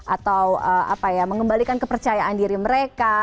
atau mengembalikan kepercayaan diri mereka